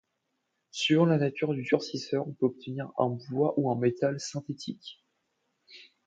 Suivant la nature du durcisseur, on peut obtenir un bois ou un métal synthétique.